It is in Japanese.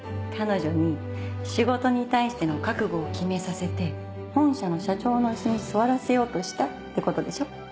彼女に仕事に対しての覚悟を決めさせて本社の社長の椅子に座らせようとしたってことでしょ。